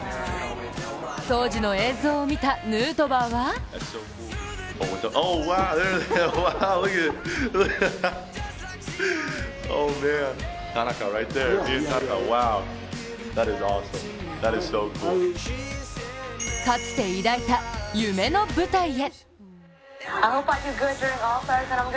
当時の映像を見たヌートバーはかつて抱いた夢の舞台へ。